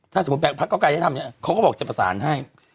ถ้าสมมุติพักเก้าไกรจะทำเนี่ยเขาก็บอกจะประสานให้